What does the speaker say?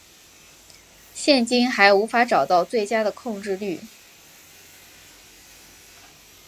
现今还无法找到最佳的控制律。